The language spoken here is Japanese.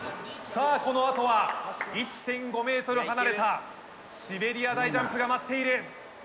このあとは１．５ｍ離れたシベリア大ジャンプが待っている。